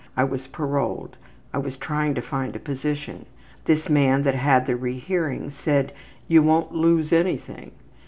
I was paroled. I was trying to find a position. This man that had the rehearing said, `You wont lose anything.'